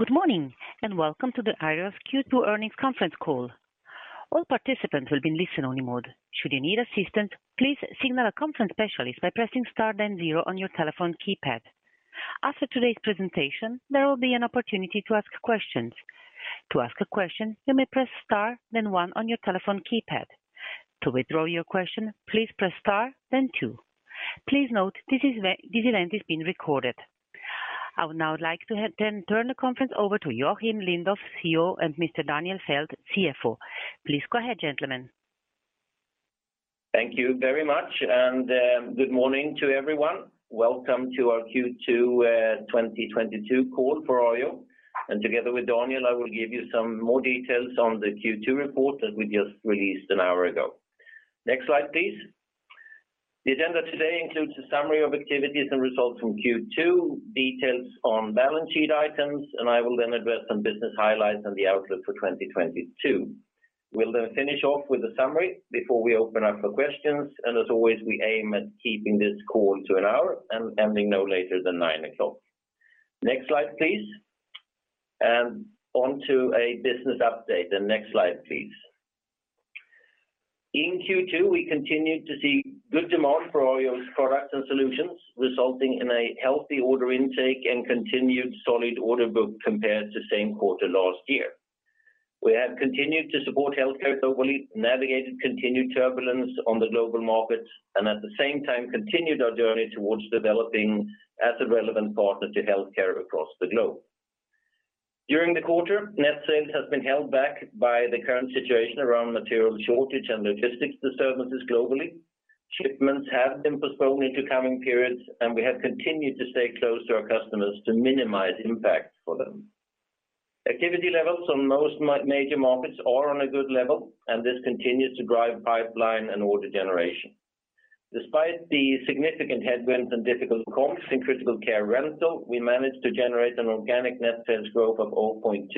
Good morning, and welcome to the Arjo's Q2 Earnings Conference Call. All participants will be in listen-only mode. Should you need assistance, please signal a conference specialist by pressing Star then zero on your telephone keypad. After today's presentation, there will be an opportunity to ask questions. To ask a question, you may press Star then 1 on your telephone keypad. To withdraw your question, please press Star then 2. Please note this event is being recorded. I would now like to turn the conference over to Joacim Lindoff, CEO, and Mr. Daniel Fäldt, CFO. Please go ahead, gentlemen. Thank you very much, and good morning to everyone. Welcome to our Q2 2022 call for Arjo. Together with Daniel, I will give you some more details on the Q2 report that we just released an hour ago. Next slide, please. The agenda today includes a summary of activities and results from Q2, details on balance sheet items, and I will then address some business highlights and the outlook for 2022. We'll then finish off with a summary before we open up for questions. As always, we aim at keeping this call to an hour and ending no later than 9:00 A.M. Next slide, please. Onto a business update. The next slide, please. In Q2, we continued to see good demand for Arjo's products and solutions, resulting in a healthy order intake and continued solid order book compared to same quarter last year. We have continued to support healthcare globally, navigated continued turbulence on the global markets, and at the same time, continued our journey towards developing as a relevant partner to healthcare across the globe. During the quarter, net sales has been held back by the current situation around material shortage and logistics disturbances globally. Shipments have been postponed into coming periods, and we have continued to stay close to our customers to minimize impact for them. Activity levels on most major markets are on a good level, and this continues to drive pipeline and order generation. Despite the significant headwinds and difficult comps in Critical Care Rental, we managed to generate an organic net sales growth of 0.2%.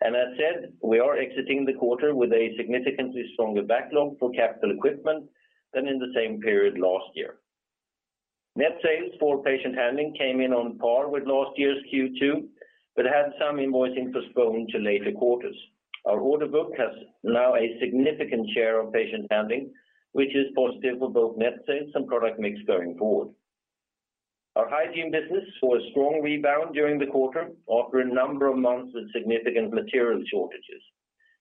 As said, we are exiting the quarter with a significantly stronger backlog for capital equipment than in the same period last year. Net sales for Patient Handling came in on par with last year's Q2, but had some invoicing postponed to later quarters. Our order book has now a significant share of Patient Handling, which is positive for both net sales and product mix going forward. Our Hygiene business saw a strong rebound during the quarter after a number of months of significant material shortages.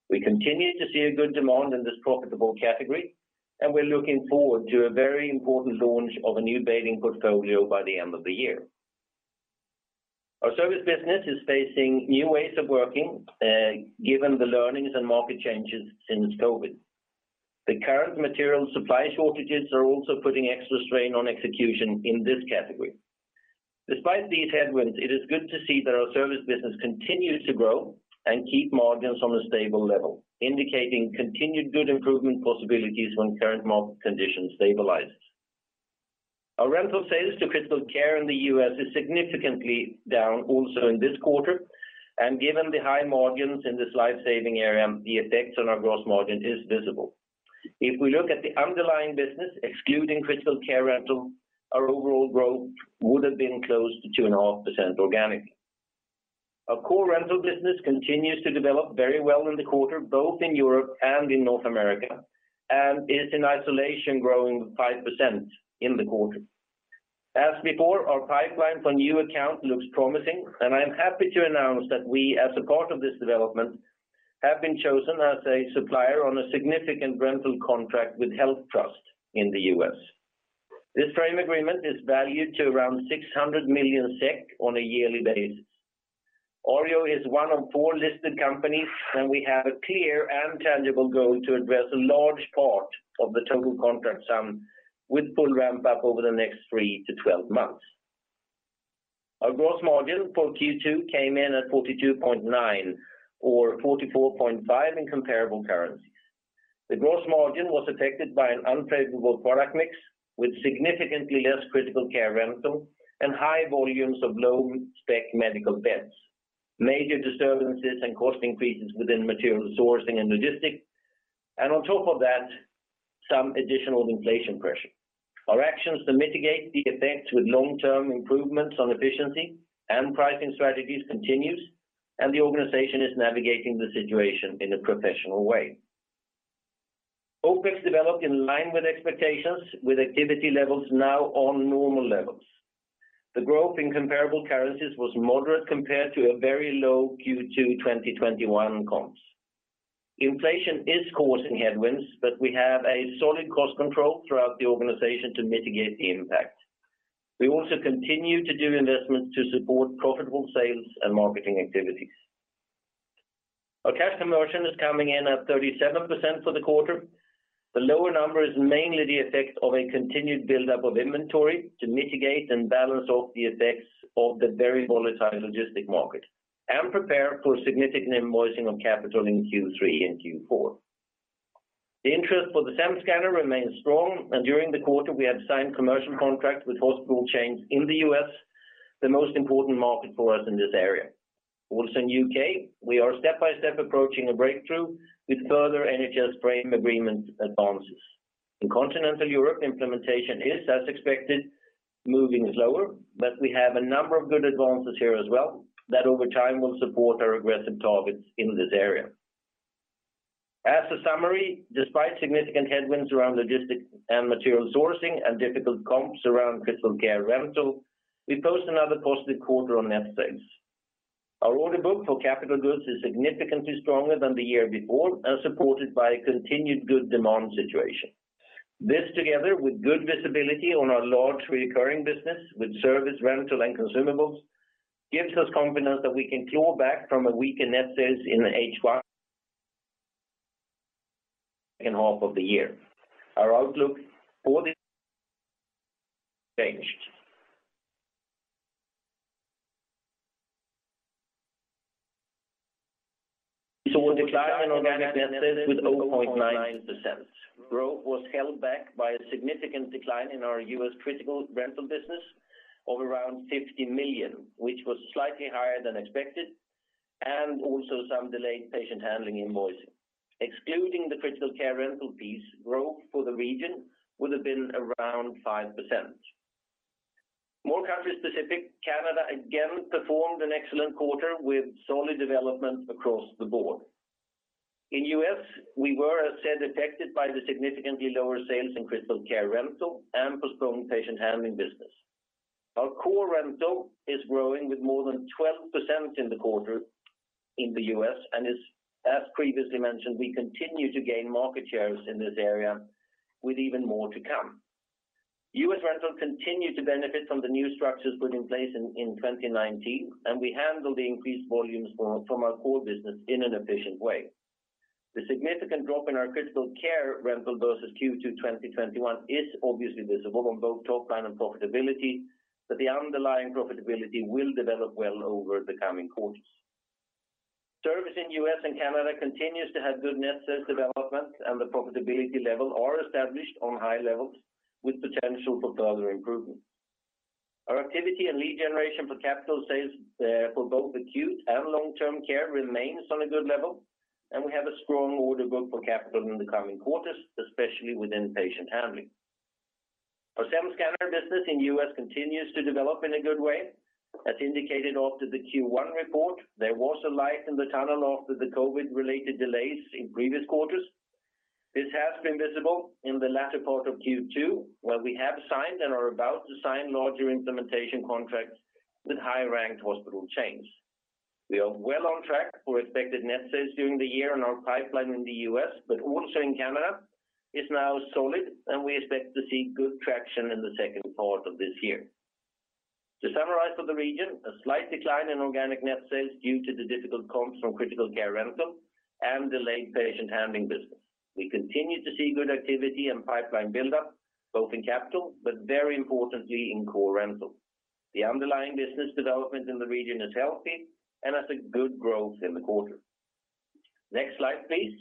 We continue to see a good demand in this profitable category, and we're looking forward to a very important launch of a new bathing portfolio by the end of the year. Our Service business is facing new ways of working, given the learnings and market changes since COVID. The current material supply shortages are also putting extra strain on execution in this category. Despite these headwinds, it is good to see that our Service business continues to grow and keep margins on a stable level, indicating continued good improvement possibilities when current market conditions stabilize. Our rental sales to Critical Care Rental in the U.S. is significantly down also in this quarter, and given the high margins in this life-saving area, the effects on our gross margin is visible. If we look at the underlying business, excluding Critical Care Rental, our overall growth would have been close to 2.5% organic. Our Core Rental business continues to develop very well in the quarter, both in Europe and in North America, and is in isolation growing 5% in the quarter. As before, our pipeline for new account looks promising, and I am happy to announce that we, as a part of this development, have been chosen as a supplier on a significant rental contract with HealthTrust in the U.S. This frame agreement is valued at around 600 million SEK on a yearly basis. Arjo is one of four listed companies, and we have a clear and tangible goal to address a large part of the total contract sum with full ramp-up over the next 3 to 12 months. Our gross margin for Q2 came in at 42.9% or 44.5% in comparable currency. The gross margin was affected by an unfavorable product mix with significantly less Critical Care Rental and high volumes of low spec medical beds, major disturbances and cost increases within material sourcing and logistics. On top of that, some additional inflation pressure. Our actions to mitigate the effects with long-term improvements on efficiency and pricing strategies continues, and the organization is navigating the situation in a professional way. OPEX developed in line with expectations with activity levels now on normal levels. The growth in comparable currencies was moderate compared to a very low Q2 2021 comps. Inflation is causing headwinds, but we have a solid cost control throughout the organization to mitigate the impact. We also continue to do investments to support profitable sales and marketing activities. Our cash conversion is coming in at 37% for the quarter. The lower number is mainly the effect of a continued buildup of inventory to mitigate and balance off the effects of the very volatile logistics market and prepare for significant invoicing of capital in Q3 and Q4. The interest for the SEM Scanner remains strong, and during the quarter, we have signed commercial contracts with hospital chains in the U.S., the most important market for us in this area. Also in UK, we are step-by-step approaching a breakthrough with further NHS frame agreement advances. In Continental Europe, implementation is as expected, moving slower, but we have a number of good advances here as well that over time will support our aggressive targets in this area. As a summary, despite significant headwinds around logistics and material sourcing and difficult comps around Critical Care Rental, we post another positive quarter on net sales. Our order book for capital goods is significantly stronger than the year before and supported by a continued good demand situation. This together with good visibility on our large recurring business with service rental and consumables, gives us confidence that we can claw back from a weaker net sales in the H1, second half of the year. Our outlook for this changed. We saw a decline in organic net sales with 0.9%. Growth was held back by a significant decline in our U.S. critical care rental business of around $50 million, which was slightly higher than expected, and also some delayed patient handling invoicing. Excluding the critical care rental fees, growth for the region would have been around 5%. More country-specific, Canada again performed an excellent quarter with solid development across the board. In the U.S., we were, as said, affected by the significantly lower sales in critical care rental and postponed patient handling business. Our core rental is growing with more than 12% in the quarter in the U.S., and as previously mentioned, we continue to gain market shares in this area with even more to come. U.S. Rental continued to benefit from the new structures put in place in 2019, and we handle the increased volumes from our core business in an efficient way. The significant drop in our Critical Care Rental versus Q2 2021 is obviously visible on both top line and profitability, but the underlying profitability will develop well over the coming quarters. Service in U.S. and Canada continues to have good net sales development and the profitability level are established on high levels with potential for further improvement. Our activity and lead generation for capital sales, for both acute and long-term care remains on a good level, and we have a strong order book for capital in the coming quarters, especially within patient handling. Our SEM Scanner business in U.S. continues to develop in a good way. As indicated after the Q1 report, there was a light in the tunnel after the COVID-related delays in previous quarters. This has been visible in the latter part of Q2, where we have signed and are about to sign larger implementation contracts with high-ranked hospital chains. We are well on track for expected net sales during the year on our pipeline in the U.S., but also in Canada is now solid, and we expect to see good traction in the second part of this year. To summarize for the region, a slight decline in organic net sales due to the difficult comps from Critical Care Rental and delayed Patient Handling business. We continue to see good activity and pipeline buildup, both in capital, but very importantly in core rental. The underlying business development in the region is healthy and has a good growth in the quarter. Next slide, please.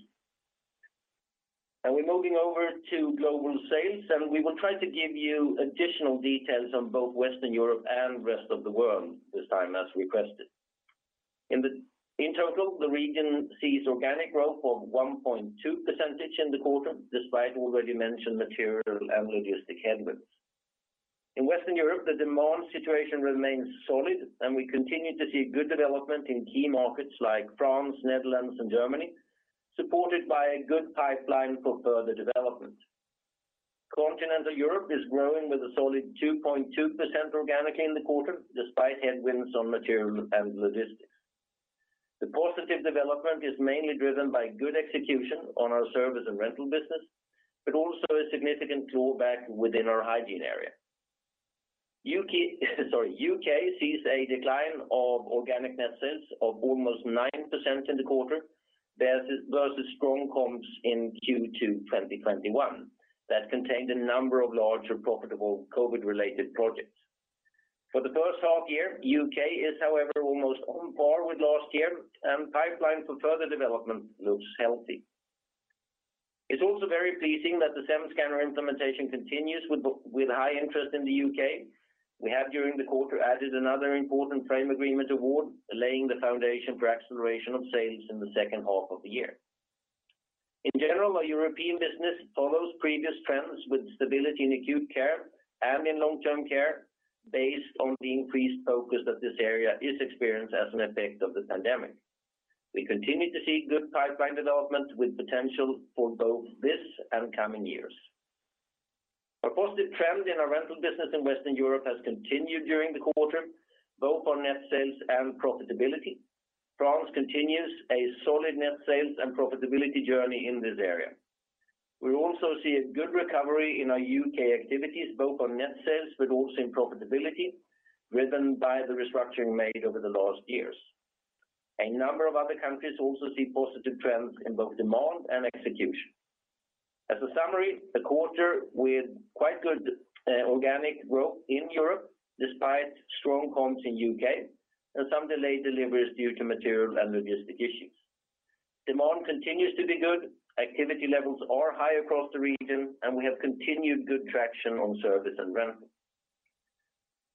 We're moving over to global sales, and we will try to give you additional details on both Western Europe and rest of the world this time as requested. In total, the region sees organic growth of 1.2% in the quarter, despite already mentioned material and logistic headwinds. In Western Europe, the demand situation remains solid, and we continue to see good development in key markets like France, Netherlands and Germany, supported by a good pipeline for further development. Continental Europe is growing with a solid 2.2% organically in the quarter, despite headwinds on material and logistics. The positive development is mainly driven by good execution on our service and rental business, but also a significant drawback within our Hygiene area. UK, sorry, UK sees a decline of organic net sales of almost 9% in the quarter versus strong comps in Q2 2021 that contained a number of larger profitable COVID-related projects. For the first half year, UK is, however, almost on par with last year, and pipeline for further development looks healthy. It's also very pleasing that the SEM Scanner implementation continues with high interest in the UK. We have during the quarter added another important framework agreement award, laying the foundation for acceleration of sales in the second half of the year. In general, our European business follows previous trends with stability in acute care and in long-term care based on the increased focus that this area is experienced as an effect of the pandemic. We continue to see good pipeline development with potential for both this and coming years. A positive trend in our rental business in Western Europe has continued during the quarter, both on net sales and profitability. France continues a solid net sales and profitability journey in this area. We also see a good recovery in our UK activities, both on net sales, but also in profitability, driven by the restructuring made over the last years. A number of other countries also see positive trends in both demand and execution. As a summary, a quarter with quite good organic growth in Europe, despite strong comps in UK and some delayed deliveries due to material and logistic issues. Demand continues to be good. Activity levels are high across the region, and we have continued good traction on service and rental.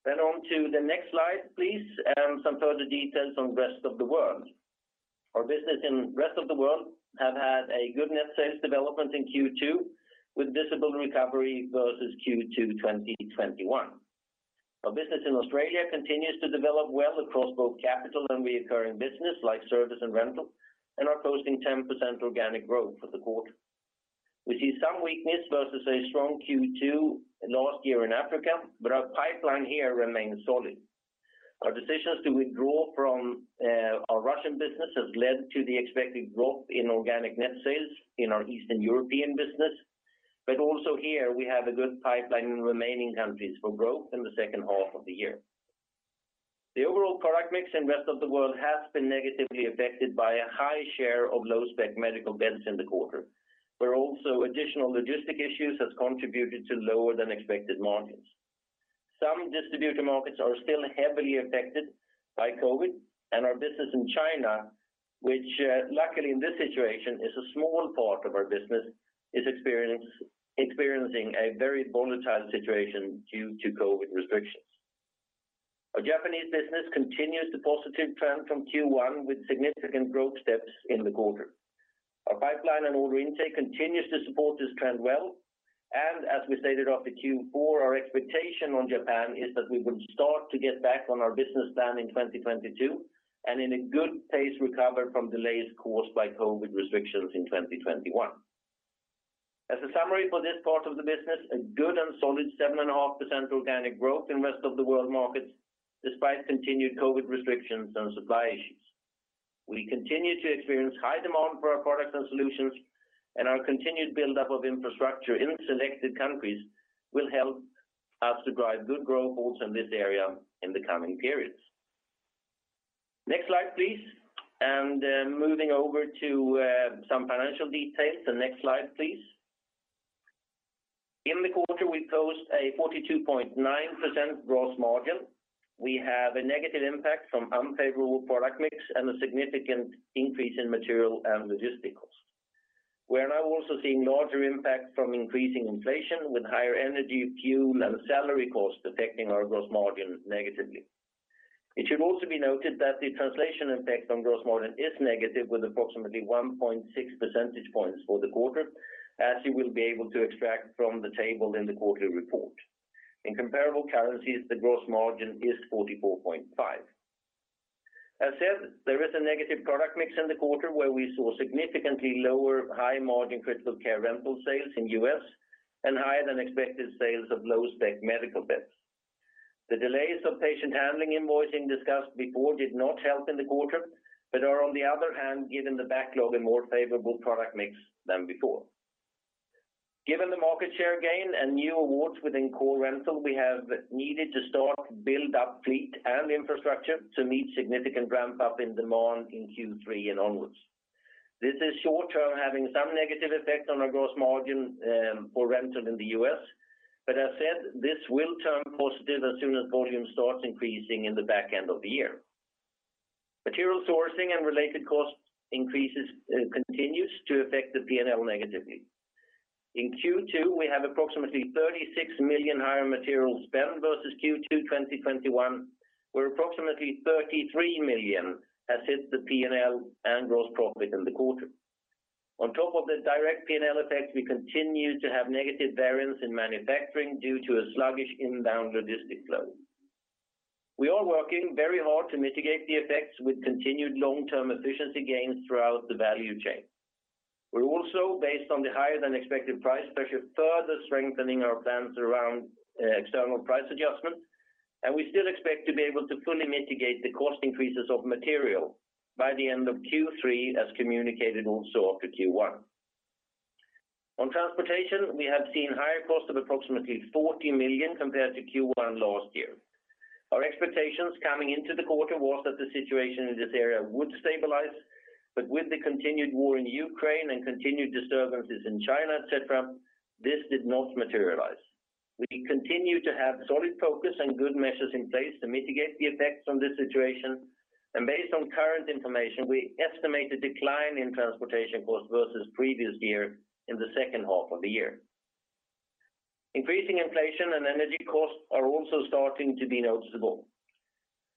On to the next slide, please, some further details on rest of the world. Our business in rest of the world have had a good net sales development in Q2 with visible recovery versus Q2 2021. Our business in Australia continues to develop well across both capital and recurring business like service and rental, and are posting 10% organic growth for the quarter. We see some weakness versus a strong Q2 last year in Africa, but our pipeline here remains solid. Our decisions to withdraw from our Russian business has led to the expected growth in organic net sales in our Eastern European business. But also here, we have a good pipeline in remaining countries for growth in the second half of the year. The overall product mix in rest of the world has been negatively affected by a high share of low-spec medical beds in the quarter, where also additional logistic issues has contributed to lower than expected margins. Some distributor markets are still heavily affected by COVID, and our business in China, which luckily in this situation is a small part of our business, is experiencing a very volatile situation due to COVID restrictions. Our Japanese business continues the positive trend from Q1 with significant growth steps in the quarter. Our pipeline and order intake continues to support this trend well. As we stated after Q4, our expectation on Japan is that we will start to get back on our business plan in 2022, and in a good pace recover from delays caused by COVID restrictions in 2021. As a summary for this part of the business, a good and solid 7.5% organic growth in rest of the world markets despite continued COVID restrictions and supply issues. We continue to experience high demand for our products and solutions, and our continued build-up of infrastructure in selected countries will help us to drive good growth also in this area in the coming periods. Next slide, please. Moving over to some financial details. The next slide, please. In the quarter, we post a 42.9% gross margin. We have a negative impact from unfavorable product mix and a significant increase in material and logistic costs. We are now also seeing larger impact from increasing inflation with higher energy, fuel, and salary costs affecting our gross margin negatively. It should also be noted that the translation impact on gross margin is negative with approximately 1.6 percentage points for the quarter, as you will be able to extract from the table in the quarterly report. In comparable currencies, the gross margin is 44.5%. As said, there is a negative product mix in the quarter where we saw significantly lower high margin critical care rental sales in U.S. and higher than expected sales of low-spec medical beds. The delays of patient handling invoicing discussed before did not help in the quarter, but are on the other hand, given the backlog a more favorable product mix than before. Given the market share gain and new awards within core rental, we have needed to start build up fleet and infrastructure to meet significant ramp up in demand in Q3 and onwards. This is short term having some negative effect on our gross margin for rental in the U.S. As said, this will turn positive as soon as volume starts increasing in the back end of the year. Material sourcing and related cost increases continues to affect the P&L negatively. In Q2, we have approximately 36 million higher material spend versus Q2 2021, where approximately 33 million has hit the P&L and gross profit in the quarter. On top of the direct P&L effects, we continue to have negative variance in manufacturing due to a sluggish inbound logistic flow. We are working very hard to mitigate the effects with continued long-term efficiency gains throughout the value chain. We're also based on the higher than expected price pressure, further strengthening our plans around external price adjustment, and we still expect to be able to fully mitigate the cost increases of material by the end of Q3 as communicated also after Q1. On transportation, we have seen higher cost of approximately 40 million compared to Q1 last year. Our expectations coming into the quarter was that the situation in this area would stabilize, but with the continued war in Ukraine and continued disturbances in China, et cetera, this did not materialize. We continue to have solid focus and good measures in place to mitigate the effects from this situation. Based on current information, we estimate a decline in transportation costs versus previous year in the second half of the year. Increasing inflation and energy costs are also starting to be noticeable.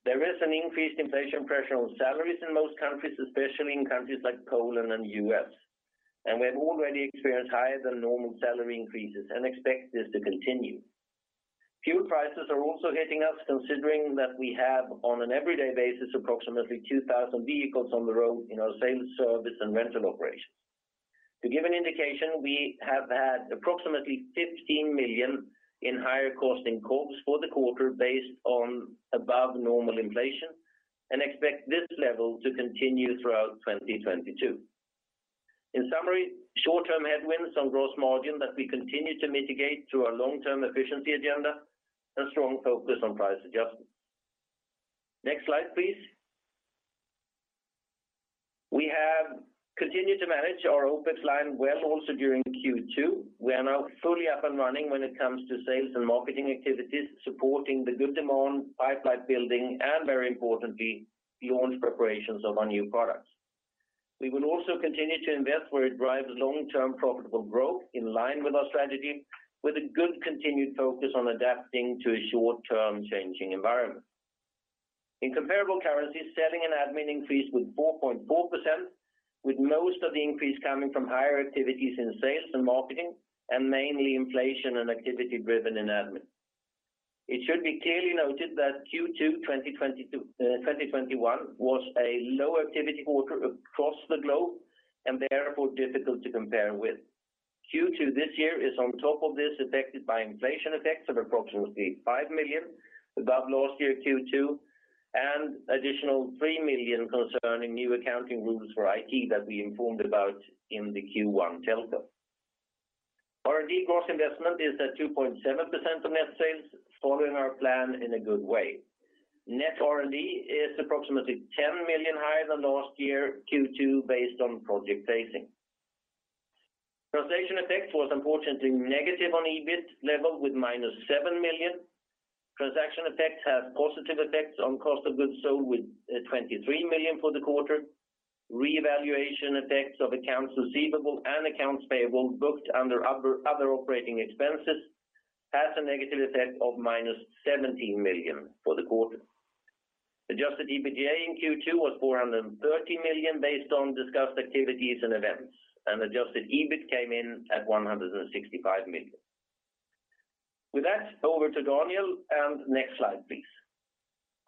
There is an increased inflation pressure on salaries in most countries, especially in countries like Poland and U.S. We have already experienced higher than normal salary increases and expect this to continue. Fuel prices are also hitting us considering that we have on an everyday basis, approximately 2,000 vehicles on the road in our sales service and rental operations. To give an indication, we have had approximately 15 million in higher cost increases for the quarter based on above normal inflation and expect this level to continue throughout 2022. In summary, short-term headwinds on gross margin that we continue to mitigate through our long-term efficiency agenda and strong focus on price adjustment. Next slide, please. We have continued to manage our OpEx line well also during Q2. We are now fully up and running when it comes to sales and marketing activities, supporting the good demand, pipeline building, and very importantly, launch preparations of our new products. We will also continue to invest where it drives long-term profitable growth in line with our strategy, with a good continued focus on adapting to a short-term changing environment. In comparable currencies, selling and admin increased with 4.4%, with most of the increase coming from higher activities in sales and marketing, and mainly inflation and activity driven in admin. It should be clearly noted that Q2 2021 was a low activity quarter across the globe and therefore difficult to compare with. Q2 this year is on top of this affected by inflation effects of approximately 5 million above last year Q2, and additional 3 million concerning new accounting rules for IT that we informed about in the Q1 telco. R&D gross investment is at 2.7% of net sales, following our plan in a good way. Net R&D is approximately 10 million higher than last year Q2 based on project phasing. Translation effect was unfortunately negative on EBIT level with minus 7 million. Transaction effects have positive effects on cost of goods sold with 23 million for the quarter. Revaluation effects of accounts receivable and accounts payable booked under other operating expenses has a negative effect of minus 17 million for the quarter. Adjusted EBITDA in Q2 was 430 million based on discussed activities and events, and adjusted EBIT came in at 165 million. With that, over to Daniel, and next slide, please.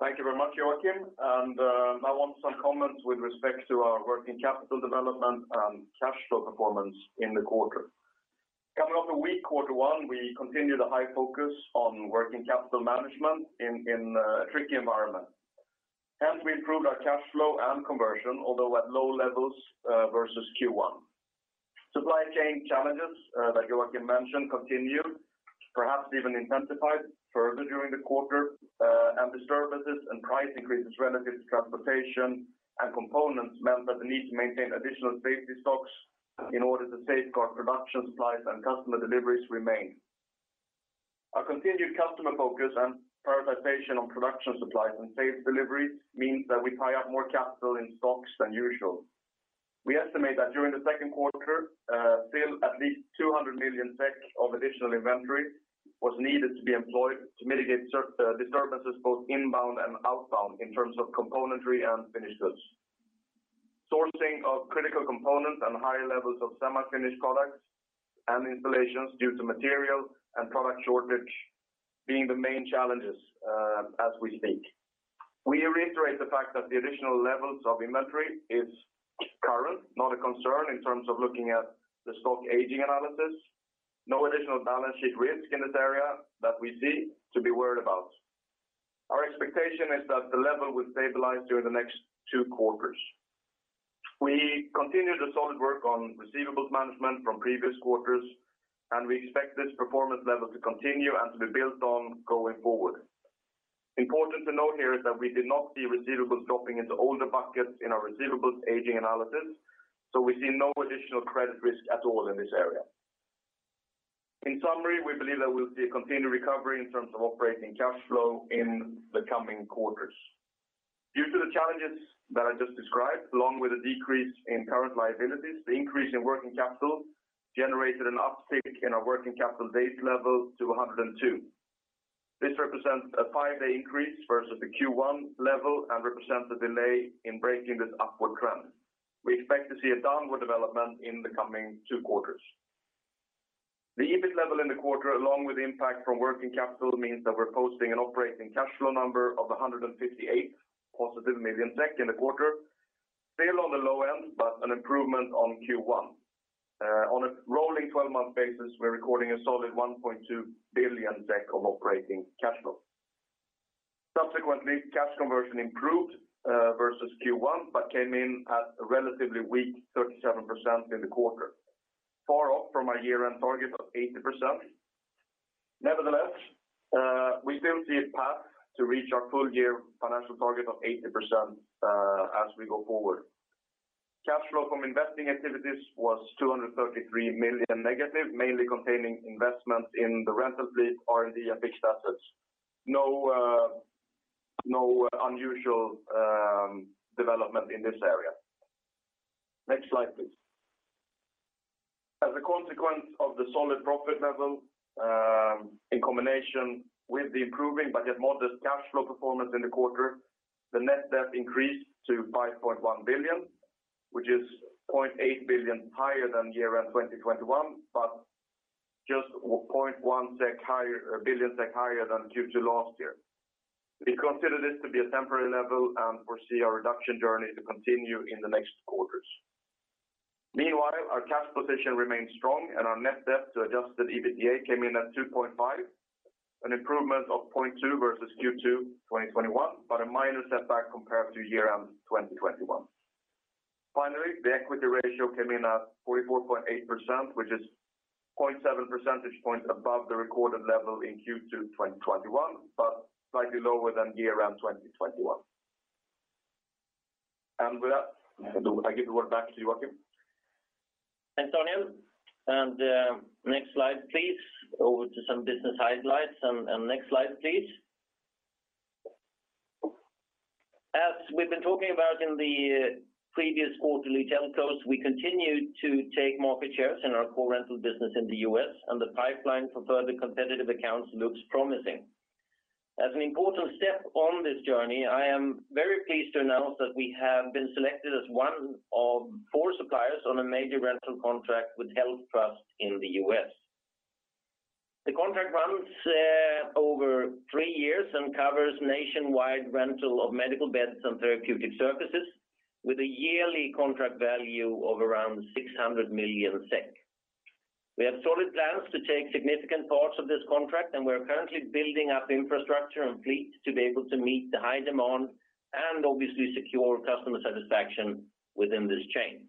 Thank you very much, Joacim. I want some comments with respect to our working capital development and cash flow performance in the quarter. Coming off a weak quarter one, we continued a high focus on working capital management in a tricky environment. Hence, we improved our cash flow and conversion, although at low levels versus Q1. Supply chain challenges that Joacim mentioned continue, perhaps even intensified further during the quarter, and disturbances and price increases relative to transportation and components meant that the need to maintain additional safety stocks in order to safeguard production supplies and customer deliveries remain. Our continued customer focus and prioritization on production supplies and safe deliveries means that we tie up more capital in stocks than usual. We estimate that during the second quarter, still at least 200 million of additional inventory was needed to be employed to mitigate disturbances both inbound and outbound in terms of componentry and finished goods. Sourcing of critical components and high levels of semi-finished products and installations due to material and product shortage being the main challenges, as we speak. We reiterate the fact that the additional levels of inventory is current, not a concern in terms of looking at the stock aging analysis. No additional balance sheet risk in this area that we see to be worried about. Our expectation is that the level will stabilize during the next two quarters. We continue the solid work on receivables management from previous quarters, and we expect this performance level to continue and to be built on going forward. Important to note here is that we did not see receivables dropping into older buckets in our receivables aging analysis, so we see no additional credit risk at all in this area. In summary, we believe that we'll see a continued recovery in terms of operating cash flow in the coming quarters. Due to the challenges that I just described, along with a decrease in current liabilities, the increase in working capital generated an uptick in our working capital base level to 102. This represents a 5-day increase versus the Q1 level and represents a delay in breaking this upward trend. We expect to see a downward development in the coming two quarters. The EBIT level in the quarter, along with impact from working capital, means that we're posting an operating cash flow number of 158 million SEK in the quarter. Still on the low end, but an improvement on Q1. On a rolling twelve-month basis, we're recording a solid 1.2 billion of operating cash flow. Subsequently, cash conversion improved versus Q1, but came in at a relatively weak 37% in the quarter, far off from our year-end target of 80%. Nevertheless, we still see a path to reach our full year financial target of 80%, as we go forward. Cash flow from investing activities was -233 million, mainly containing investments in the rental fleet, R&D, and fixed assets. No unusual development in this area. Next slide, please. As a consequence of the solid profit level, in combination with the improving but yet modest cash flow performance in the quarter, the net debt increased to 5.1 billion, which is 0.8 billion higher than year-end 2021, but just 0.1 billion SEK higher than Q2 last year. We consider this to be a temporary level and foresee our reduction journey to continue in the next quarters. Meanwhile, our cash position remains strong, and our net debt to adjusted EBITDA came in at 2.5, an improvement of 0.2 versus Q2 2021, but a minor setback compared to year-end 2021. Finally, the equity ratio came in at 44.8%, which is 0.7 percentage points above the recorded level in Q2 2021, but slightly lower than year-end 2021. With that, I give the word back to Joacim. Thanks, Daniel. Next slide, please. Over to some business highlights. Next slide, please. As we've been talking about in the previous quarterly telcos, we continue to take market shares in our core rental business in the U.S., and the pipeline for further competitive accounts looks promising. As an important step on this journey, I am very pleased to announce that we have been selected as one of four suppliers on a major rental contract with HealthTrust in the U.S. The contract runs over three years and covers nationwide rental of medical beds and therapeutic services with a yearly contract value of around 600 million SEK. We have solid plans to take significant parts of this contract, and we are currently building up infrastructure and fleet to be able to meet the high demand and obviously secure customer satisfaction within this chain.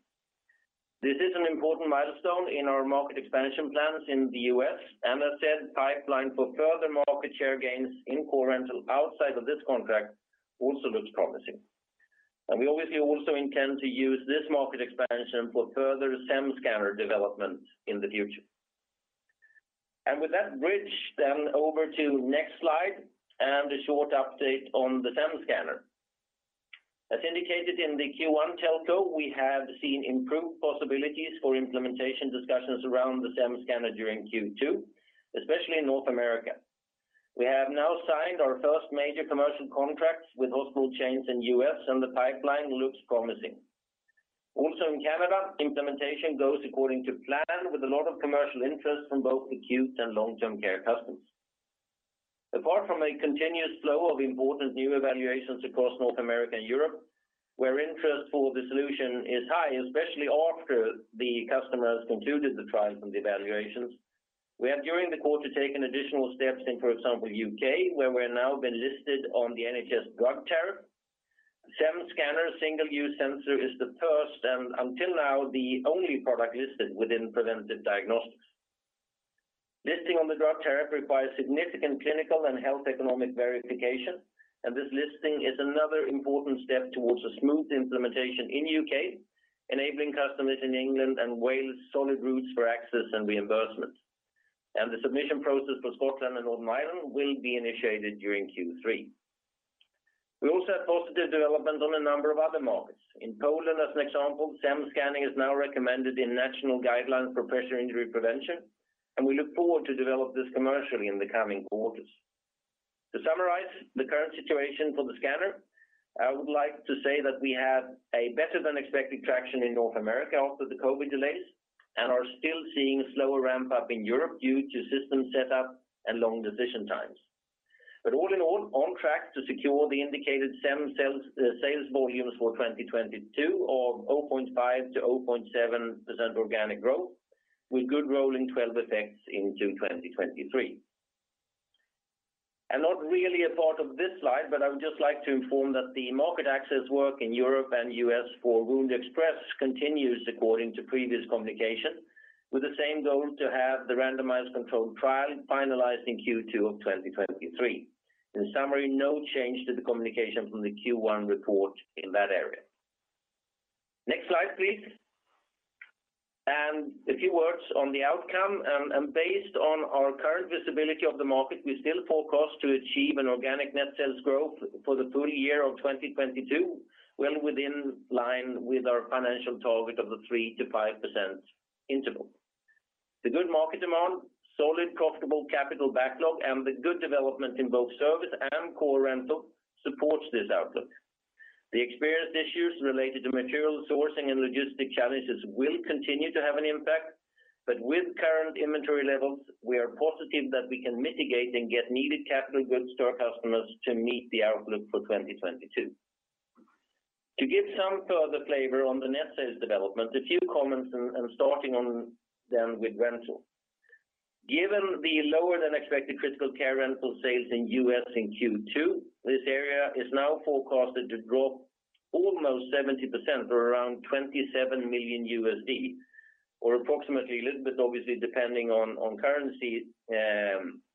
This is an important milestone in our market expansion plans in the U.S., and as said, pipeline for further market share gains in core rental outside of this contract also looks promising. We obviously also intend to use this market expansion for further SEM scanner development in the future. With that bridge then over to next slide and a short update on the SEM scanner. As indicated in the Q1 telco, we have seen improved possibilities for implementation discussions around the SEM scanner during Q2, especially in North America. We have now signed our first major commercial contracts with hospital chains in U.S., and the pipeline looks promising. Also in Canada, implementation goes according to plan with a lot of commercial interest from both acute and long-term care customers. Apart from a continuous flow of important new evaluations across North America and Europe, where interest for the solution is high, especially after the customers concluded the trial from the evaluations. We have during the quarter taken additional steps in, for example, UK, where we're now been listed on the NHS Drug Tariff. SEM Scanner single-use sensor is the first and until now, the only product listed within preventive diagnostics. Listing on the Drug Tariff requires significant clinical and health economic verification, and this listing is another important step towards a smooth implementation in UK, enabling customers in England and Wales solid routes for access and reimbursement. The submission process for Scotland and Northern Ireland will be initiated during Q3. We also have positive development on a number of other markets. In Poland, as an example, SEM scanning is now recommended in national guidelines for pressure injury prevention, and we look forward to develop this commercially in the coming quarters. To summarize the current situation for the scanner, I would like to say that we have a better than expected traction in North America after the COVID delays and are still seeing a slower ramp up in Europe due to system setup and long decision times. All in all, on track to secure the indicated SEM sales volumes for 2022 or 0.5%-0.7% organic growth with good rolling twelve effects into 2023. Not really a part of this slide, but I would just like to inform that the market access work in Europe and U.S. for WoundExpress continues according to previous communication, with the same goal to have the randomized controlled trial finalized in Q2 of 2023. In summary, no change to the communication from the Q1 report in that area. Next slide, please. A few words on the outcome. Based on our current visibility of the market, we still forecast to achieve an organic net sales growth for the full year of 2022, well in line with our financial target of the 3%-5% interval. The good market demand, solid profitable capital backlog, and the good development in both service and core rental supports this outlook. The experienced issues related to material sourcing and logistics challenges will continue to have an impact. With current inventory levels, we are positive that we can mitigate and get needed capital goods to our customers to meet the outlook for 2022. To give some further flavor on the net sales development, a few comments and starting on them with rental. Given the lower than expected Critical Care Rental sales in U.S. in Q2, this area is now forecasted to drop almost 70% for around $27 million, or approximately a little bit, obviously, depending on currency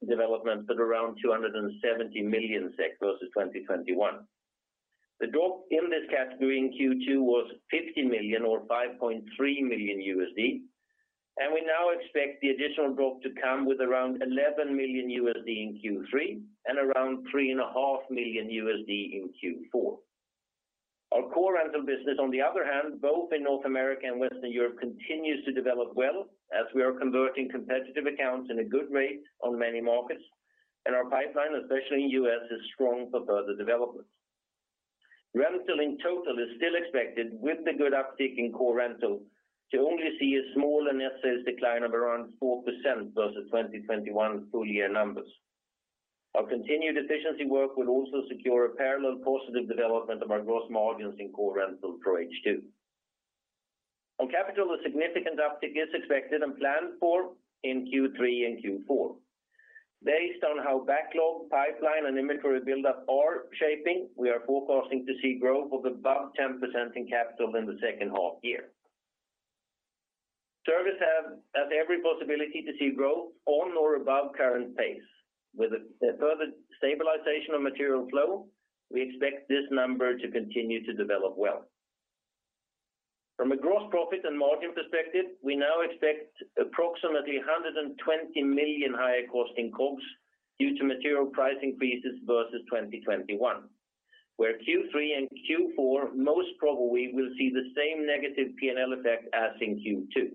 development, but around 270 million SEK versus 2021. The drop in this category in Q2 was 50 million or $5.3 million, and we now expect the additional drop to come with around $11 million in Q3 and around $3.5 million in Q4. Our core rental business, on the other hand, both in North America and Western Europe, continues to develop well as we are converting competitive accounts at a good rate on many markets, and our pipeline, especially in U.S., is strong for further development. Rental in total is still expected with the good uptick in core rental to only see a small net sales decline of around 4% versus 2021 full year numbers. Our continued efficiency work will also secure a parallel positive development of our gross margins in core rental for H2. On capital, a significant uptick is expected and planned for in Q3 and Q4. Based on how backlog, pipeline, and inventory buildup are shaping, we are forecasting to see growth of above 10% in capital in the second half year. Service has every possibility to see growth on or above current pace. With a further stabilization of material flow, we expect this number to continue to develop well. From a gross profit and margin perspective, we now expect approximately 120 million higher cost in COGS due to material price increases versus 2021, where Q3 and Q4 most probably will see the same negative P&L effect as in Q2.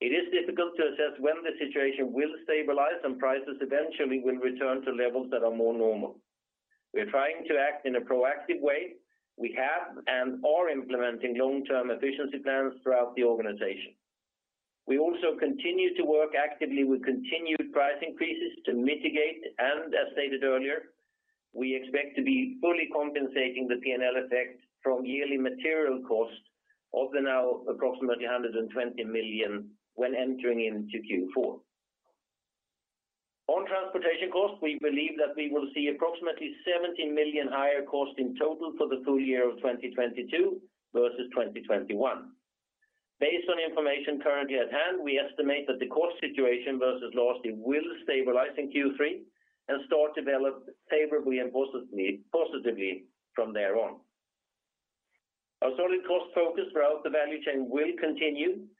It is difficult to assess when the situation will stabilize and prices eventually will return to levels that are more normal. We are trying to act in a proactive way. We have and are implementing long-term efficiency plans throughout the organization. We also continue to work actively with continued price increases to mitigate, and as stated earlier, we expect to be fully compensating the P&L effect from yearly material costs of the now approximately 120 million when entering into Q4. On transportation costs, we believe that we will see approximately 17 million higher cost in total for the full year of 2022 versus 2021. Based on information currently at hand, we estimate that the cost situation versus last year will stabilize in Q3 and start to develop favorably and positively from there on. Our solid cost focus throughout the value chain will continue.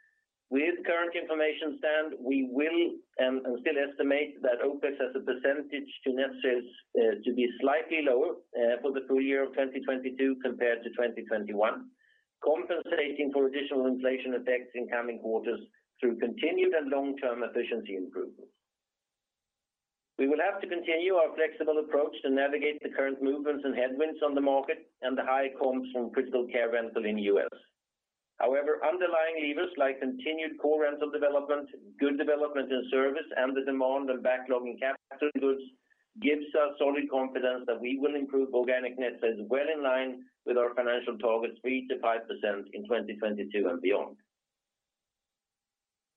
With current information stand, we will and still estimate that OPEX as a percentage to net sales to be slightly lower for the full year of 2022 compared to 2021, compensating for additional inflation effects in coming quarters through continued and long-term efficiency improvements. We will have to continue our flexible approach to navigate the current movements and headwinds on the market and the high comps from Critical Care Rental in U.S. However, underlying levers like continued Core Rental development, good development in service, and the demand and backlog in capital goods gives us solid confidence that we will improve organic net sales well in line with our financial targets 3% to 5% in 2022 and beyond.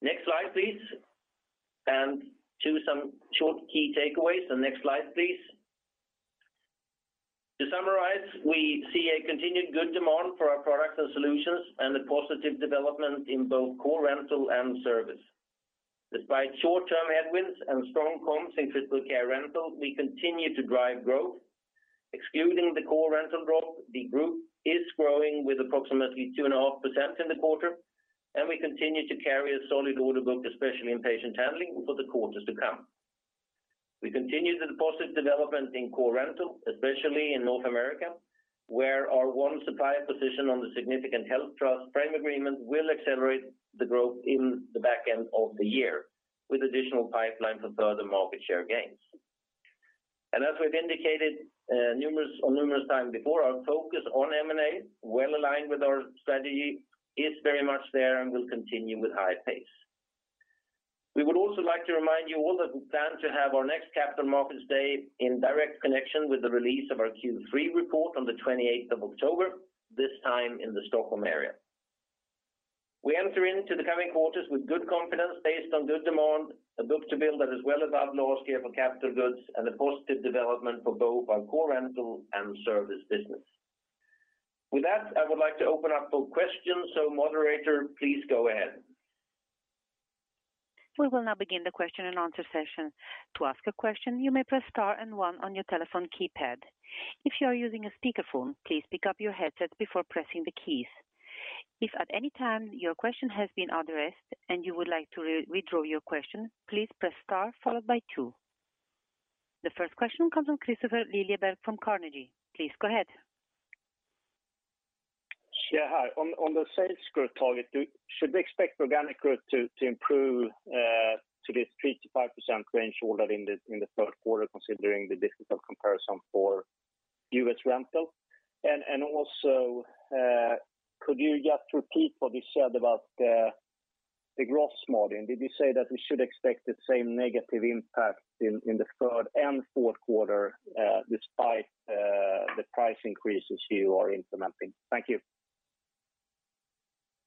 Next slide, please. Now some short key takeaways. Next slide, please. To summarize, we see a continued good demand for our products and solutions and a positive development in both Core Rental and service. Despite short-term headwinds and strong comps in Critical Care Rental, we continue to drive growth. Excluding the Core Rental drop, the group is growing with approximately 2.5% in the quarter, and we continue to carry a solid order book, especially in Patient Handling, for the quarters to come. We continue the positive development in core rental, especially in North America, where our one supplier position on the significant HealthTrust frame agreement will accelerate the growth in the back end of the year, with additional pipeline for further market share gains. As we've indicated, numerous times before, our focus on M&A, well aligned with our strategy, is very much there and will continue with high pace. We would also like to remind you all that we plan to have our next Capital Markets Day in direct connection with the release of our Q3 report on the twenty-eighth of October, this time in the Stockholm area. We enter into the coming quarters with good confidence based on good demand, a book-to-bill that is well above last year for capital goods, and a positive development for both our core rental and service business. With that, I would like to open up for questions. Moderator, please go ahead. We will now begin the question and answer session. To ask a question, you may press star and 1 on your telephone keypad. If you are using a speakerphone, please pick up your headset before pressing the keys. If at any time your question has been addressed and you would like to re-withdraw your question, please press star followed by 2. The first question comes from Kristofer Liljeberg from Carnegie. Please go ahead. Hi. On the sales growth target, should we expect organic growth to improve to this 3% to 5% range or in the third quarter, considering the difficult comparison for U.S. rental? Also, could you just repeat what you said about the gross margin? Did you say that we should expect the same negative impact in the third and fourth quarter, despite the price increases you are implementing? Thank you.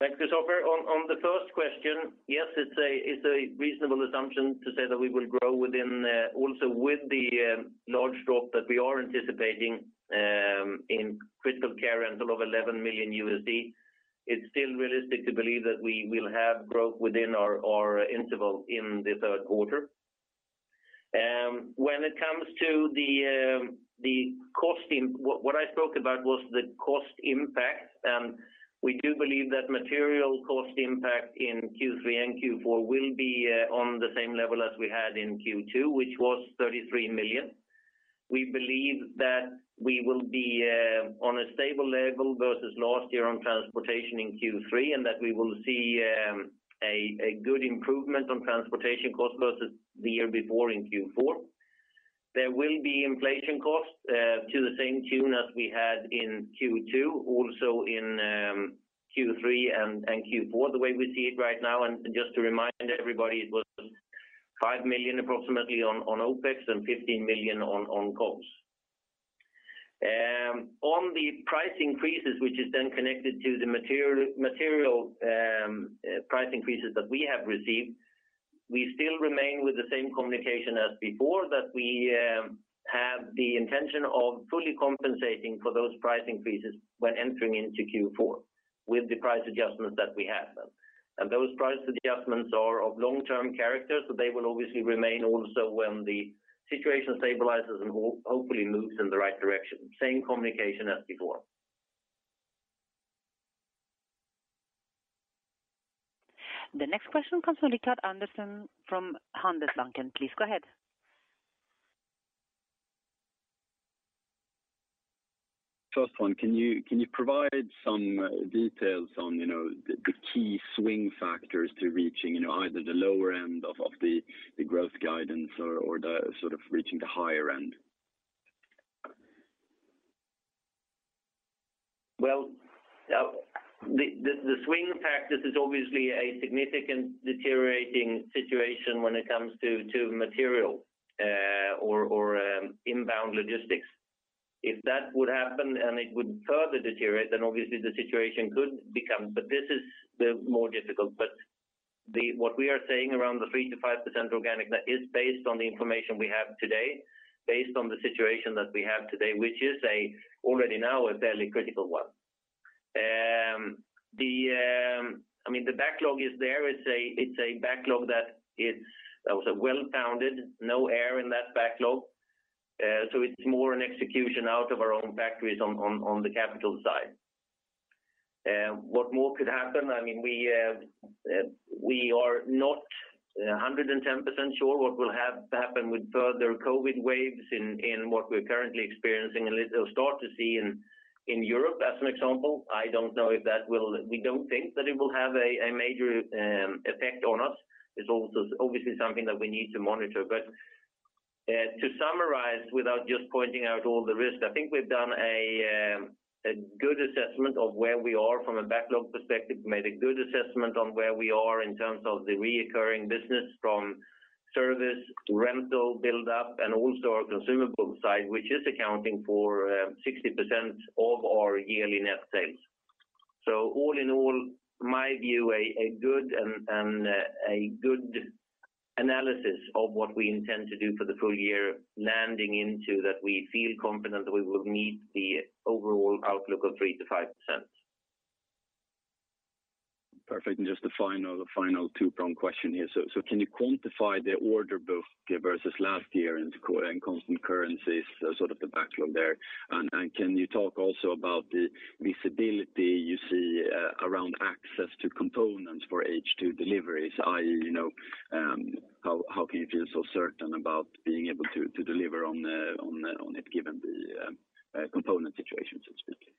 Thanks, Kristofer. On the first question, yes, it's a reasonable assumption to say that we will grow within also with the large drop that we are anticipating in Critical Care Rental of $11 million. It's still realistic to believe that we will have growth within our interval in the third quarter. When it comes to the cost impact, what I spoke about was the cost impact. We do believe that material cost impact in Q3 and Q4 will be on the same level as we had in Q2, which was 33 million. We believe that we will be on a stable level versus last year on transportation in Q3, and that we will see a good improvement on transportation cost versus the year before in Q4. There will be inflation costs to the same tune as we had in Q2, also in Q3 and Q4, the way we see it right now. Just to remind everybody, it was approximately 5 million on OPEX and 15 million on COGS. On the price increases, which is then connected to the material price increases that we have received, we still remain with the same communication as before that we have the intention of fully compensating for those price increases when entering into Q4 with the price adjustments that we have then. Those price adjustments are of long-term character, so they will obviously remain also when the situation stabilizes and hopefully moves in the right direction. Same communication as before. The next question comes from Rickard Andersson from Handelsbanken. Please go ahead. First one, can you provide some details on, you know, the key swing factors to reaching, you know, either the lower end of the growth guidance or the sort of reaching the higher end? Well, now the swing factor is obviously a significant deteriorating situation when it comes to material or inbound logistics. If that would happen and it would further deteriorate, then obviously the situation could become. This is the more difficult. What we are saying around the 3% to 5% organic, that is based on the information we have today, based on the situation that we have today, which is already now a fairly critical one. I mean, the backlog is there. It's a backlog that is, I would say, well-founded, no error in that backlog. It's more an execution out of our own factories on the capital side. What more happen? I mean, we are not 110% sure what will happen with further COVID waves in what we're currently experiencing, at least we'll start to see in Europe, as an example. I don't know if that will. We don't think that it will have a major effect on us. It's also obviously something that we need to monitor. To summarize, without just pointing out all the risks, I think we've done a good assessment of where we are from a backlog perspective, made a good assessment on where we are in terms of the recurring business from service, rental build up, and also our consumable side, which is accounting for 60% of our yearly net sales. All in all, my view, a good analysis of what we intend to do for the full year, landing into that we feel confident that we will meet the overall outlook of 3% to 5%. Perfect. Just a final two-prong question here. Can you quantify the order book versus last year in constant currencies, sort of the backlog there? Can you talk also about the visibility you see around access to components for H2 deliveries? You know, how can you feel so certain about being able to deliver on it given the component situation, specifically?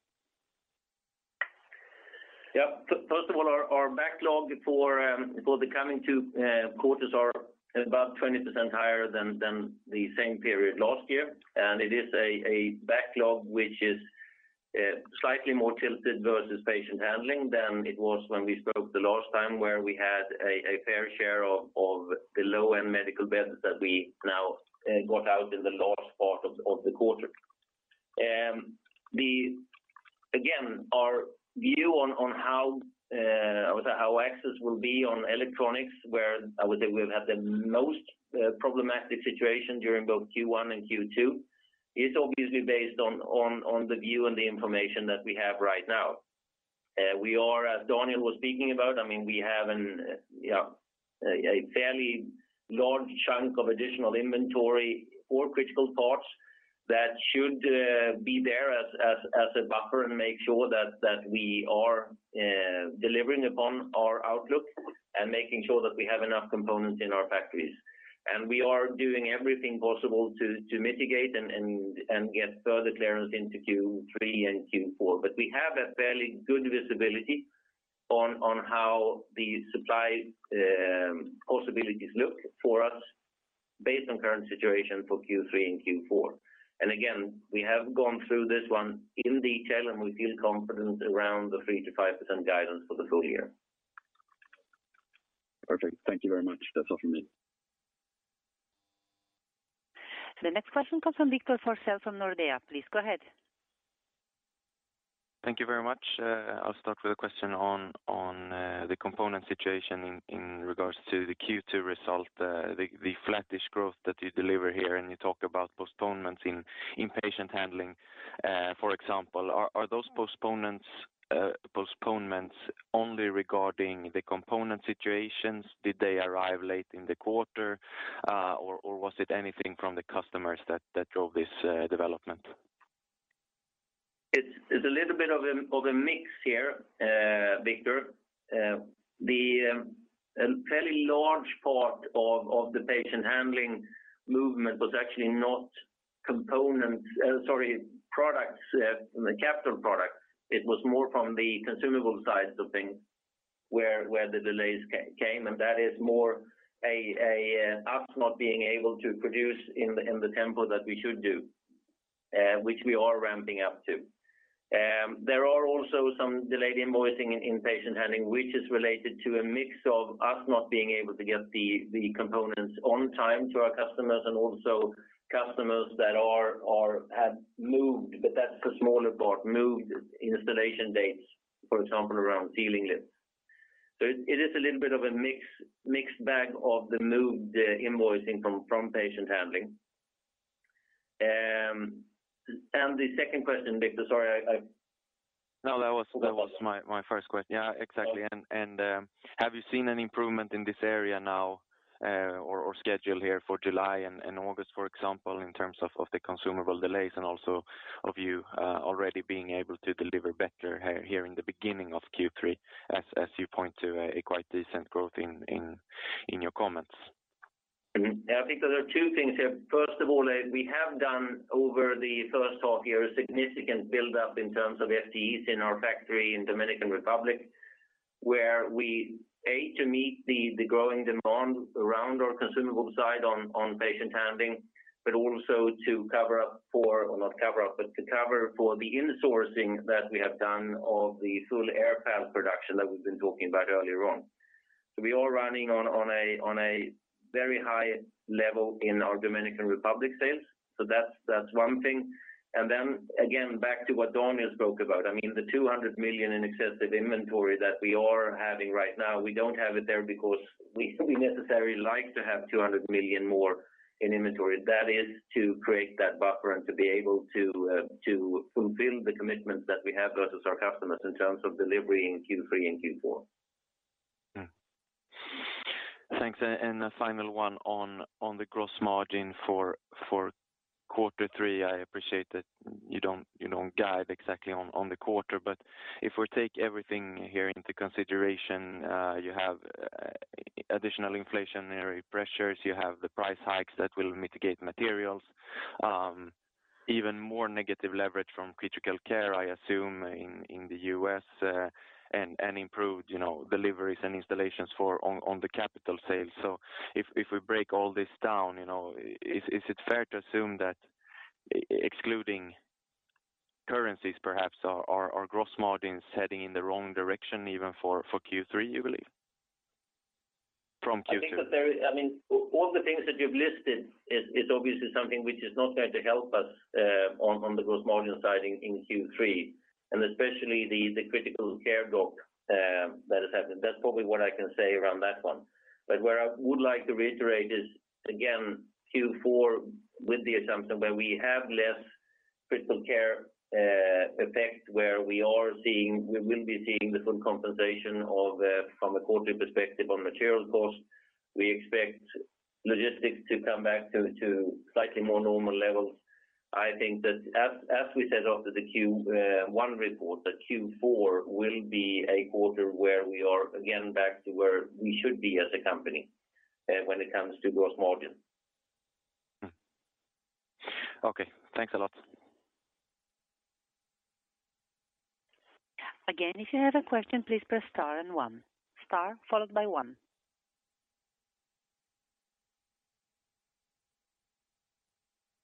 First of all, our backlog for the coming two quarters are about 20% higher than the same period last year. It is a backlog which is slightly more tilted versus Patient Handling than it was when we spoke the last time, where we had a fair share of the low-end medical beds that we now got out in the last part of the quarter. Again, our view on how I would say how access will be on electronics, where I would say we've had the most problematic situation during both Q1 and Q2, is obviously based on the view and the information that we have right now. We are, as Daniel was speaking about, I mean, we have a fairly large chunk of additional inventory for critical parts that should be there as a buffer and make sure that we are delivering upon our outlook and making sure that we have enough components in our factories. We are doing everything possible to mitigate and get further clearance into Q3 and Q4. We have a fairly good visibility on how the supply possibilities look for us based on current situation for Q3 and Q4. Again, we have gone through this one in detail and we feel confident around the 3%-5% guidance for the full year. Perfect. Thank you very much. That's all from me. The next question comes from Viktor Forssell from Nordea. Please go ahead. Thank you very much. I'll start with a question on the component situation in regards to the Q2 result, the flattish growth that you deliver here, and you talk about postponements in Patient Handling. For example, are those postponements only regarding the component situations? Did they arrive late in the quarter, or was it anything from the customers that drove this development? It's a little bit of a mix here, Viktor. The fairly large part of the Patient Handling movement was actually not products, capital products. It was more from the consumable side of things where the delays came, and that is more us not being able to produce in the tempo that we should do, which we are ramping up to. There are also some delayed invoicing in Patient Handling, which is related to a mix of us not being able to get the components on time to our customers and also customers that have moved installation dates, but that's the smaller part, for example, around ceiling lifts. It is a little bit of a mix, mixed bag of the moved invoicing from Patient Handling. The second question, Viktor, sorry, I... No, that was my first question. Yeah, exactly. Have you seen any improvement in this area now, or schedule here for July and August, for example, in terms of the consumable delays and also of you already being able to deliver better here in the beginning of Q3 as you point to a quite decent growth in your comments? I think there are two things here. First of all, we have done over the first half year a significant buildup in terms of FTEs in our factory in Dominican Republic, where we aim to meet the growing demand around our consumable side on patient handling, but also to cover for the insourcing that we have done of the full air path production that we've been talking about earlier on. We are running on a very high level in our Dominican Republic site. That's one thing. Then again, back to what Daniel spoke about, I mean, the 200 million in excessive inventory that we are having right now, we don't have it there because we don't necessarily like to have 200 million more in inventory. That is to create that buffer and to be able to fulfill the commitments that we have versus our customers in terms of delivery in Q3 and Q4. Thanks. A final one on the gross margin for quarter three. I appreciate that you don't guide exactly on the quarter. If we take everything here into consideration, you have additional inflationary pressures, you have the price hikes that will mitigate materials, even more negative leverage from critical care, I assume, in the U.S., and improved, you know, deliveries and installations on the capital sales. If we break all this down, you know, is it fair to assume that excluding currencies perhaps our gross margin is heading in the wrong direction even for Q3, you believe? From Q2. I think I mean, all the things that you've listed is obviously something which is not going to help us on the gross margin side in Q3, and especially the critical care drop that has happened. That's probably what I can say around that one. Where I would like to reiterate is, again, Q4 with the assumption where we have less critical care effect, where we will be seeing the full compensation of from a quarterly perspective on material costs. We expect logistics to come back to slightly more normal levels. I think that as we said after the Q1 report, that Q4 will be a quarter where we are again back to where we should be as a company when it comes to gross margin. Okay. Thanks a lot. Again, if you have a question, please press star and 1. Star followed by 1.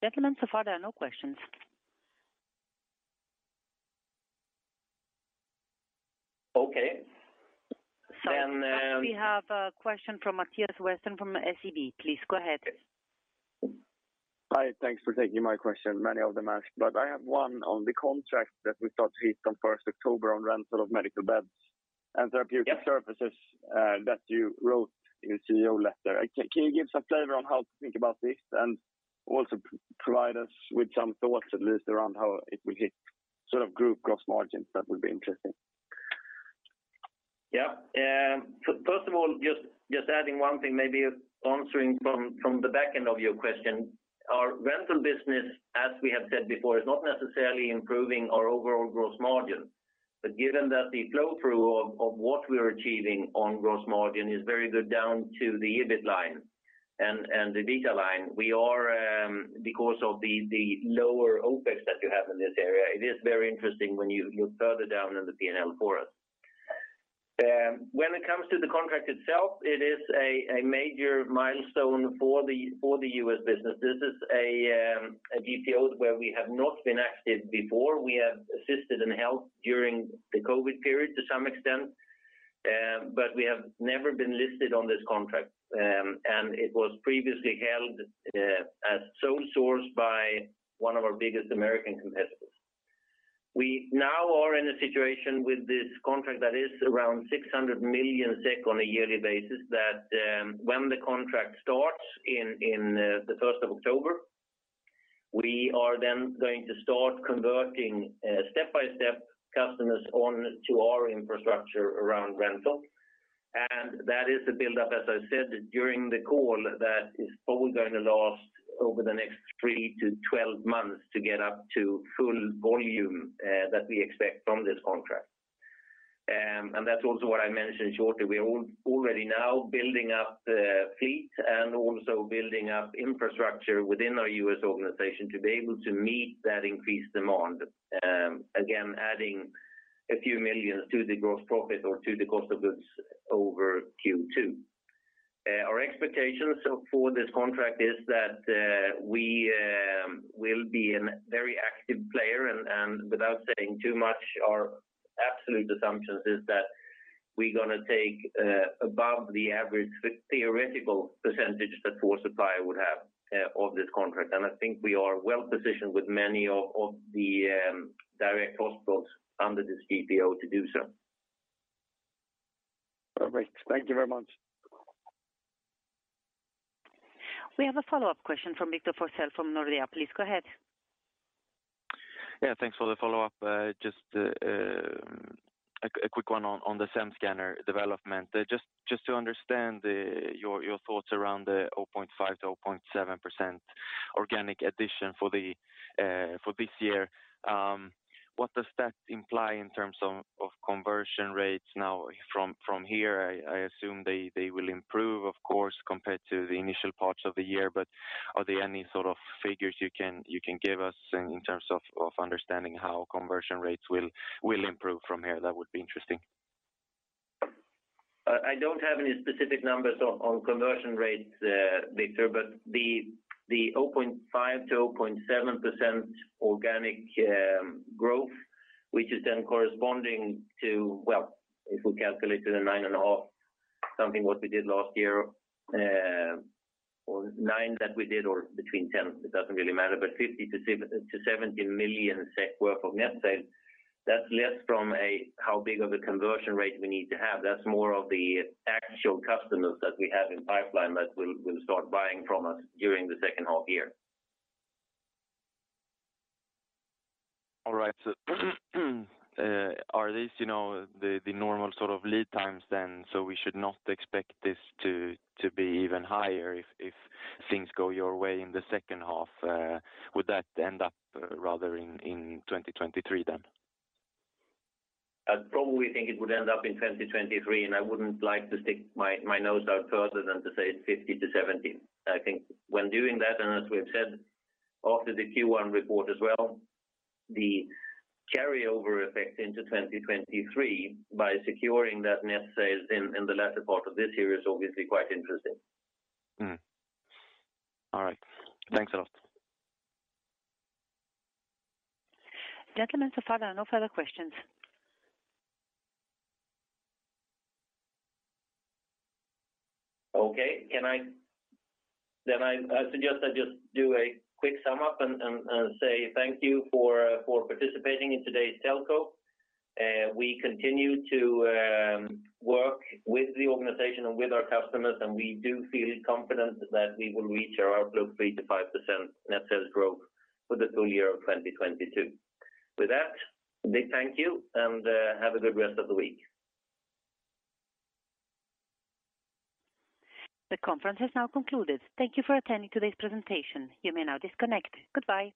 Gentlemen, so far there are no questions. Okay. Sorry. We have a question from Mattias Westén from SEB. Please go ahead. Hi. Thanks for taking my question. Many of them asked, but I have one on the contract that we thought hit on first October on rental of medical beds and therapeutic services, that you wrote in the CEO letter. Can you give some flavor on how to think about this and also provide us with some thoughts at least around how it will hit sort of group gross margins? That would be interesting. Yeah. First of all, just adding one thing, maybe answering from the back end of your question. Our rental business, as we have said before, is not necessarily improving our overall gross margin. Given that the flow through of what we are achieving on gross margin is very good down to the EBIT line and the EBITDA line, we are, because of the lower OPEX that you have in this area, it is very interesting when you're further down in the P&L for us. When it comes to the contract itself, it is a major milestone for the U.S. business. This is a GPO where we have not been active before. We have assisted HealthTrust during the COVID period to some extent, but we have never been listed on this contract. It was previously held as sole source by one of our biggest American competitors. We now are in a situation with this contract that is around 600 million SEK on a yearly basis that, when the contract starts in the first of October, we are then going to start converting step-by-step customers on to our infrastructure around rental. That is a build-up, as I said during the call, that is probably gonna last over the next 3-12 months to get up to full volume that we expect from this contract. That's also what I mentioned shortly. We are already now building up the fleet and also building up infrastructure within our U.S. organization to be able to meet that increased demand. Again, adding SEK a few million to the gross profit or to the cost of goods over Q2. Our expectations for this contract is that we will be a very active player and without saying too much, our absolute assumptions is that we're gonna take above the average theoretical percentage that a supplier would have of this contract. I think we are well positioned with many of the direct hospitals under this GPO to do so. Perfect. Thank you very much. We have a follow-up question from Viktor Forssell from Nordea. Please go ahead. Yeah, thanks for the follow-up. Just a quick one on the SEM scanner development. Just to understand your thoughts around the 0.5% to 0.7% organic addition for this year, what does that imply in terms of conversion rates now from here? I assume they will improve, of course, compared to the initial parts of the year, but are there any sort of figures you can give us in terms of understanding how conversion rates will improve from here? That would be interesting. I don't have any specific numbers on conversion rates, Viktor, but the 0.5%-0.7% organic growth, which is then corresponding to. Well, if we calculate it at 9.5 something what we did last year, or 9 that we did, or between 10, it doesn't really matter, but 50-70 million SEK worth of net sales. That's less from a how big of a conversion rate we need to have. That's more of the actual customers that we have in pipeline that will start buying from us during the second half year. All right. Are these, you know, the normal sort of lead times then? We should not expect this to be even higher if things go your way in the second half? Would that end up rather in 2023 then? I'd probably think it would end up in 2023, and I wouldn't like to stick my nose out further than to say it's 50%-70%. I think when doing that, and as we've said after the Q1 report as well, the carryover effect into 2023 by securing that net sales in the latter part of this year is obviously quite interesting. All right. Thanks a lot. Gentlemen, so far there are no further questions. Okay. I suggest I just do a quick sum up and say thank you for participating in today's telco. We continue to work with the organization and with our customers, and we do feel confident that we will reach our outlook 3%-5% net sales growth for the full year of 2022. With that, a big thank you and have a good rest of the week. The conference has now concluded. Thank you for attending today's presentation. You may now disconnect. Goodbye.